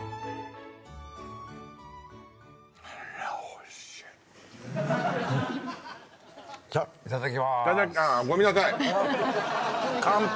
あらおいしいじゃあいただきまーすああごめんなさい乾杯！